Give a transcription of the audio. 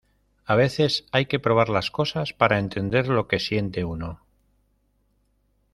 a veces, hay que probar las cosas para entender lo que siente uno.